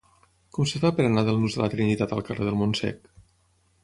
Com es fa per anar del nus de la Trinitat al carrer del Montsec?